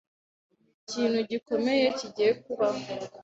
Ikintu gikomeye kigiye kubaho.